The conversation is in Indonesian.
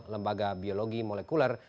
lembaga biologi molekuler